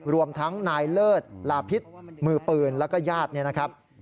รวมทั้งนายเลิศลาพิษมือปืนแล้วก็ญาติเนี่ยนะครับ